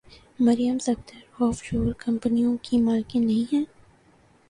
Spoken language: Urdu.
مریم صفدر آف شور کمپنیوں کی مالکن نہیں ہیں؟